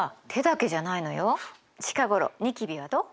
近頃ニキビはどう？